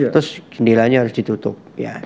terus kendilanya harus ditutup